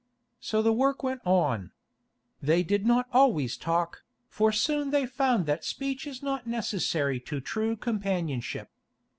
So the work went on. They did not always talk, for soon they found that speech is not necessary to true companionship.